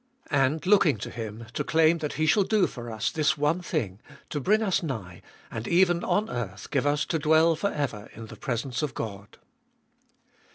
And, looking to Him, to claim that He shall do for us this one thing, to bring us nigh, and even on earth give us to dwell for ever in the presence of God.